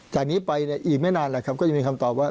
จากนี้ไปอีกไม่นานแล้วครับก็จะมีคำตอบว่า